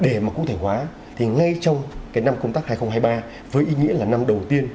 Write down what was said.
để mà cụ thể hóa thì ngay trong cái năm công tác hai nghìn hai mươi ba với ý nghĩa là năm đầu tiên